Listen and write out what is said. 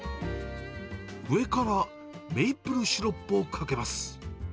上からメープルシロップをかけます。